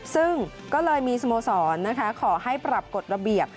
ซึ่งก็เลยมีสโมสรขอให้ปรับกฎระเบียบ